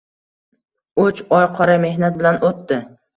Uch oy qora mehnat bilan o‘tdi.